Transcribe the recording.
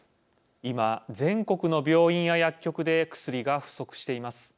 今、全国の病院や薬局で薬が不足しています。